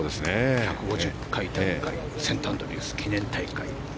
１５０回大会セントアンドリュース記念大会。